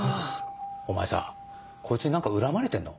お前さこいつに何か恨まれてんの？